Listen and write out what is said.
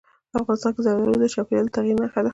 افغانستان کې زردالو د چاپېریال د تغیر نښه ده.